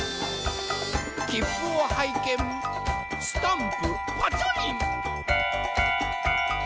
きっぷをはいけんスタンプパチョリン。